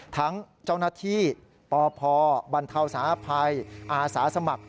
ทั้งเจ้าหน้าที่ปพบรรเทาสาธภัยอาสาสมัคร